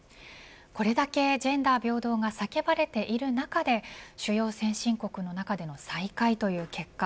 これだけジェンダー平等が叫ばれている中で主要先進国の中でも最下位という結果。